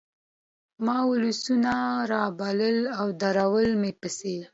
ما ولسونه رابلل او درول مې پسې